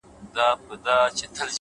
خپل ارزښتونه په عمل وښایئ؛